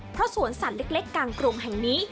เพราะสวนสัตว์เล็กกลางกรุงแห่งนี้